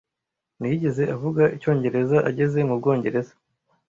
Ntiyigeze avuga Icyongereza ageze mu Bwongereza.